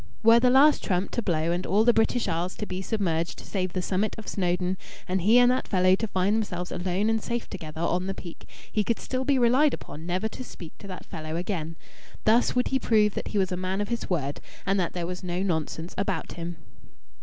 Were the last trump to blow and all the British Isles to be submerged save the summit of Snowdon, and he and that fellow to find themselves alone and safe together on the peak, he could still be relied upon never to speak to that fellow again. Thus would he prove that he was a man of his word and that there was no nonsense about him.